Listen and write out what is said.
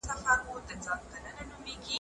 که مورنۍ ژبه وي، نو په زده کړه کې هیڅ مشکل نه وي.